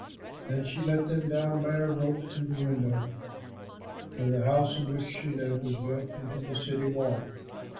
Then she let them down by a rope through the window, for the house in which she lived was built into the city wall.